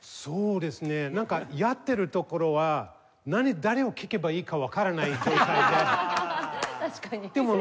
そうですねなんかやってるところは誰を聴けばいいかわからない状態で。